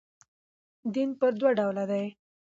دین پر دوه ډوله دئ.